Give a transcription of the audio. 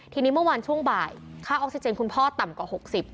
ทีนี้เมื่อวานช่วงบ่ายค่าออกซิเจนคุณพ่อต่ำกว่า๖๐